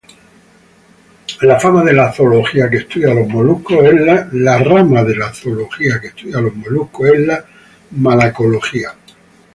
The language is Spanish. La rama de la zoología que estudia a los moluscos es la malacología.